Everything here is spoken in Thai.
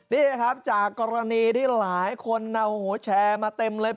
นี่ครับจากกรณีที่หลายคนแชร์มาเต็มเลย